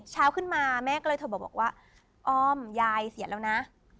เช้าขึ้นมาแม่ก็เลยโทรมาบอกว่าอ้อมยายเสียแล้วนะ